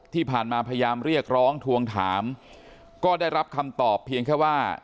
พยายามเรียกร้องทวงถามก็ได้รับคำตอบเพียงแค่ว่า